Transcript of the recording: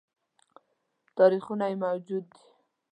تاریخونه یې موجود دي